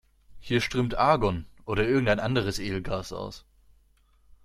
Hier strömt Argon oder irgendein anderes Edelgas aus.